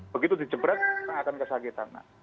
begitu dijebret akan kesakitan